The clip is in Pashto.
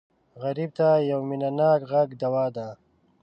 غریب ته یو مینهناک غږ دوا ده